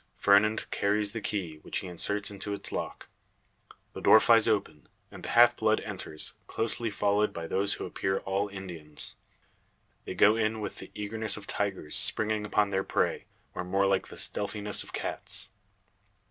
Fernand carries the key, which he inserts into its lock. The door flies open, and the half blood enters, closely followed by those who appear all Indians. They go in with the eagerness of tigers springing upon prey, or more like the stealthiness of cats.